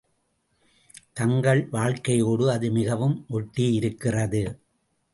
தங்கள் வாழ்க்கையோடு அது மிகவும் ஒட்டியிருக்கிறது.